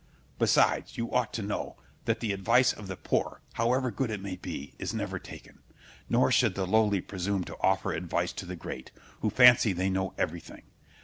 Besides, you ought to know, that the advice of the poor, however good it may be, is never taken; nor should the lowly presume to offer advice to the great, who fancy they know everything.